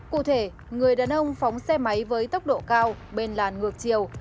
cụ thể người đàn ông phóng xe máy với tốc độ cao bên làn ngược chiều